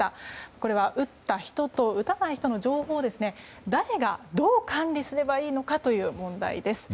これは打った人と打たない人の情報を誰がどう管理すればいいのかという問題です。